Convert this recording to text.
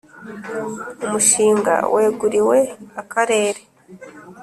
Umushinga weguriwe Akarere .